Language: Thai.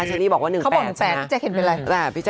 เชนนี่บอกว่า๑๘ใช่มั้ย